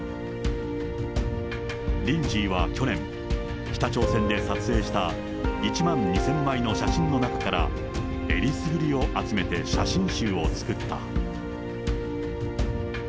リンジーは去年、北朝鮮で撮影した１万２０００枚の写真の中から、えりすぐりを集めて写真集を作った。